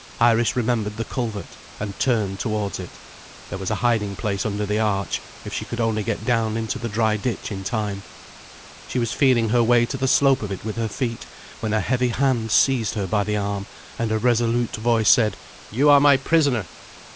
Iris remembered the culvert, and turned towards it. There was a hiding place under the arch, if she could only get down into the dry ditch in time. She was feeling her way to the slope of it with her feet, when a heavy hand seized her by the arm; and a resolute voice said: "You are my prisoner."